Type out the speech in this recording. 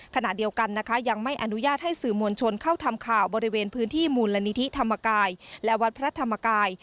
ขณะเดียวกันนะคะยังไม่อนุญาตให้สื่อมวลชนเข้าทำข่าวบริเวณพื้นที่มูลนิธิธรรมกายและวัดพระธรรมกาย